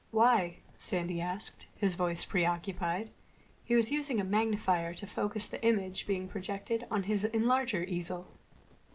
"Why?" Sandy asked, his voice preoccupied. He was using a magnifier to focus the image being projected on his enlarger easel.